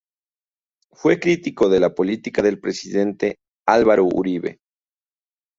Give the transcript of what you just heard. Fue crítico de la política del presidente Álvaro Uribe.